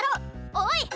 おい！